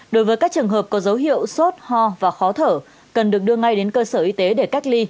đối với các trường hợp có dấu hiệu sốt ho và khó thở cần được đưa ngay đến cơ sở y tế để cách ly